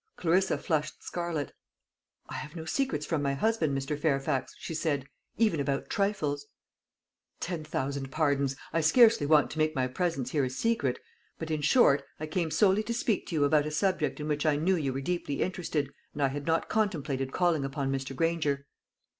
Clarissa flushed scarlet. "I have no secrets from my husband, Mr. Fairfax," she said, "even about trifles." "Ten thousand pardons! I scarcely want to make my presence here a secret; but, in short, I came solely to speak to you about a subject in which I knew you were deeply interested, and I had not contemplated calling upon Mr. Granger."